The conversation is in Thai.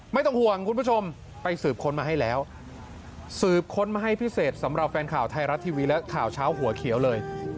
ไม่ต้องห่วงคุณผู้ชมไปสืบค้นมาให้แล้วสืบค้นมาให้พิเศษสำหรับแฟนข่าวไทยรัฐทีวีและข่าวเช้าหัวเขียวเลย